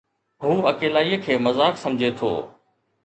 هو اڪيلائي کي مذاق سمجهي ٿو